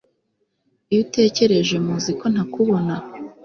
iyo utekereje mu ziko ntakubona